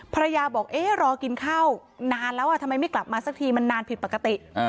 ภรรยาบอกเอ๊ะรอกินข้าวนานแล้วทำไมไม่กลับมาสักทีมันนานผิดปกติ